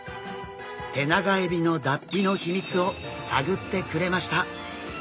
テナガエビの脱皮の秘密を探ってくれました。